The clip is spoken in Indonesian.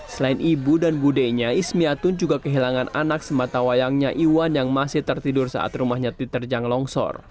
selain ibu dan budenya ismiatun juga kehilangan anak sematawayangnya iwan yang masih tertidur saat rumahnya diterjang longsor